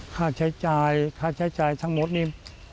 ค่าใช้จ่ายค่าใช้จ่ายทั้งหมดนี่